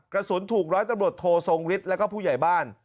กระสุนถูกร้อยตำรวจโททรงฤทธิ์แล้วก็ผู้ใหญ่บ้าน